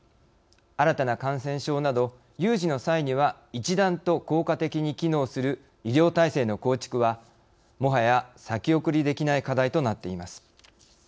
新たな感染症など有事の際には一段と効果的に機能する医療体制の構築はもはや先送りできない課題となっています。